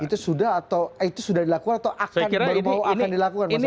itu sudah atau itu sudah dilakukan atau akan dilakukan